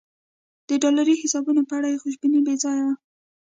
د ډالري حسابونو په اړه یې خوشبیني بې ځایه وه.